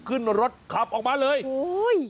ขึ้นรถขับออกมาเลยโอ้ย